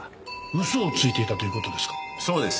嘘をついていたという事ですか？